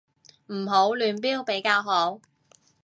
唔好亂標比較好